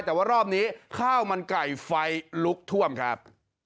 แต่ว่ารอบนี้ข้าวมันไก่ไฟลุกท่วมครับ